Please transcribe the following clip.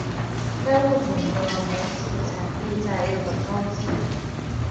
该物种的模式产地在日本高知。